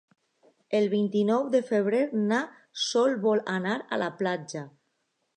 El vint-i-nou de febrer na Sol vol anar a la platja.